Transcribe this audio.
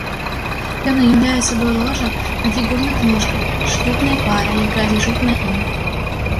Ён уяўляе сабой ложа на фігурных ножках з шлюбнай парай, якая ляжыць на ім.